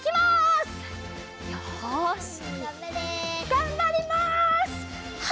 がんばります！